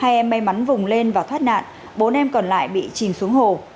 hai em may mắn vùng lên và thoát nạn bốn em còn lại bị chìm xuống hồ